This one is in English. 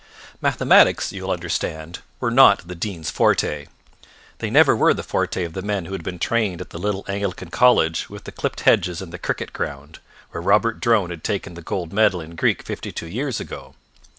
Mathematics, you will understand, were not the Dean's forte. They never were the forte of the men who had been trained at the little Anglican college with the clipped hedges and the cricket ground, where Rupert Drone had taken the gold medal in Greek fifty two years ago.